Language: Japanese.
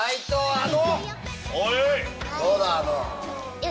あの。